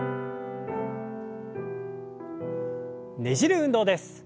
ねじる運動です。